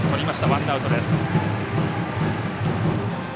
ワンアウト。